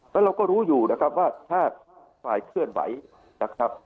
แล้วเราก็รู้อยู่นะครับว่าถ้าฝ่ายเคลื่อนไหวนะครับ